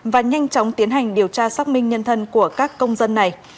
và nhanh chóng tiến hành điều tra xác minh nhân thân của các công dân này